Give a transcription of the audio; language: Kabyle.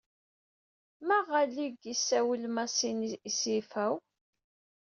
Maɣ allig isawl Masin i Sifaw?